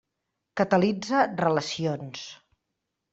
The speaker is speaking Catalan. Catalitza relacions.